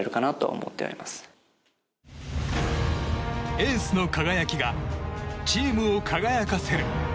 エースの輝きがチームを輝かせる。